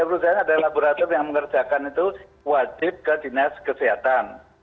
menurut saya ada laborator yang mengerjakan itu wajib ke dinas kesehatan